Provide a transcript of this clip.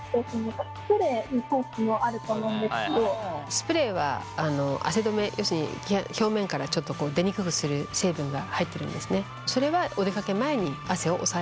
スプレーは汗止め要するに表面から出にくくする成分が入ってるんですね。